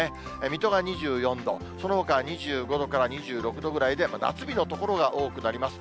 水戸が２４度、そのほか２５度から２６度ぐらいで、夏日の所が多くなります。